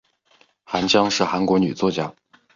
韩江是韩国女作家。